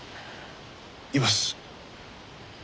います。